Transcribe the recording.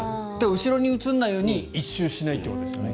後ろに映らないように１周しないっていうことですよね。